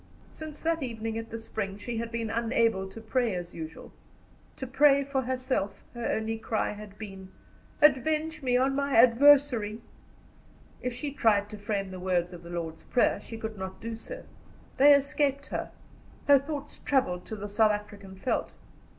Since that evening at the spring she had been unable to pray as usual, to pray for herself her only cry had been: "Avenge me on my adversary!" If she tried to frame the words of the Lord's Prayer, she could not do so. They escaped her; her thoughts travelled to the South African veldt.